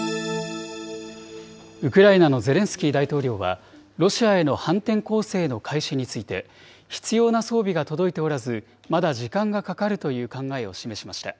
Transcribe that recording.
ウクライナのゼレンスキー大統領は、ロシアへの反転攻勢の開始について、必要な装備が届いておらず、まだ時間がかかるという考えを示しました。